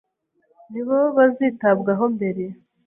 ni bo bazitabwaho mbere